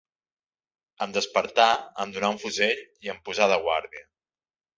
Em despertà, em donà un fusell i em posà de guàrdia